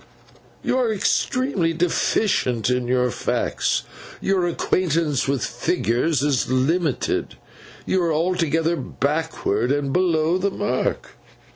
You are extremely deficient in your facts. Your acquaintance with figures is very limited. You are altogether backward, and below the mark.